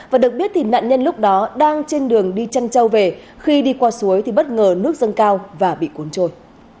và được biết thì nạn nhân lúc đó đang trên đường đi chân châu về khi đi qua suối thì bất ngờ nước dâng cao và bị cuốn trôi